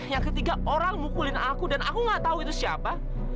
yang ketiga orang mukulin aku dan aku gak tahu itu siapa